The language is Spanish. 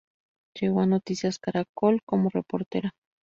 Llegó a "Noticias Caracol" como reportera.